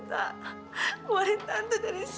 makasih yang aku melayani tante